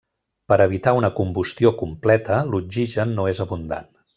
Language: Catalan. Per evitar una combustió completa, l'oxigen no és abundant.